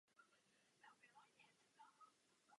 Dvanáct let byla v Chomutově členkou zastupitelstva.